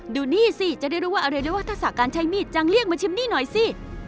ดูนี่สิจะได้รู้ว่าอะไรด้วยว่าทักษะการใช้มีดจังเรียกมาชิมนี่หน่อยสิ